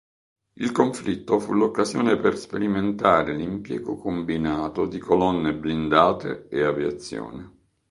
Il conflitto fu l'occasione per sperimentare l'impiego combinato di colonne blindate e aviazione.